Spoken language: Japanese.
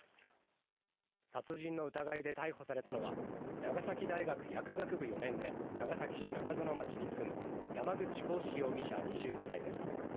殺人の疑いで逮捕されたのは、長崎大学薬学部４年で長崎市中園町に住む山口鴻志容疑者、２５歳です。